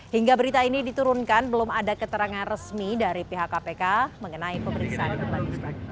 hingga berita ini diturunkan belum ada keterangan resmi dari pihak kpk mengenai pemeriksaan kembali